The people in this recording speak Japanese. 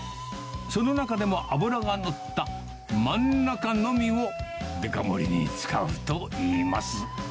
その中でも脂が乗った真ん中のみをデカ盛りに使うといいます。